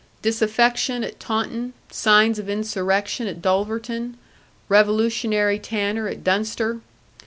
Disaffection at Taunton, signs of insurrection at Dulverton, revolutionary tanner at Dunster!